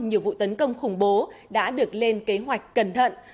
nhiều vụ tấn công khủng bố đã được lên kế hoạch cẩn thận